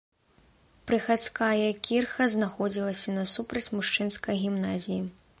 Прыхадская кірха знаходзілася насупраць мужчынскай гімназіі.